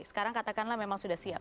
sekarang katakanlah memang sudah siap